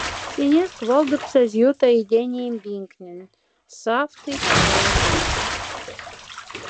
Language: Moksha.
Синь эзк валдоптсазь ётай и тяниень пинкнень, сафтыхть пара мяльхть.